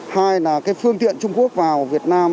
hai là cái phương tiện trung quốc vào việt nam